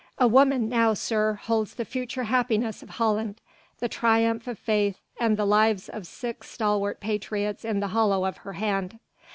A woman now, sir, holds the future happiness of Holland, the triumph of Faith and the lives of six stalwart patriots in the hollow of her hand."